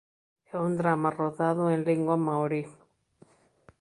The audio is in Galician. É un drama rodado en lingua maorí.